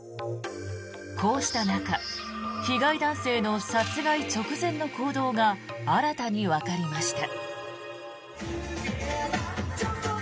こうした中被害男性の殺害直前の行動が新たにわかりました。